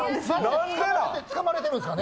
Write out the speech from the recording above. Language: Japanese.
癖つかまれてるんですかね？